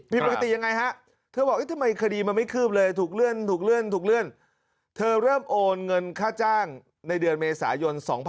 ผิดปกติยังไงฮะเธอบอกเอ๊ยเธอแม่ย